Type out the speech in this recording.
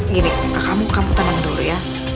gini kamu kamu tenang dulu ya